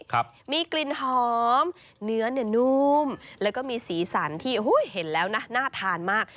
ครับมีกลิ่นหอมเนื้อเนี่ยนุ่มแล้วก็มีสีสันที่อุ้ยเห็นแล้วนะน่าทานมาก